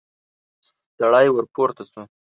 سړی پورته شو.